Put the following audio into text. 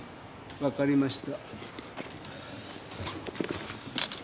分かりました。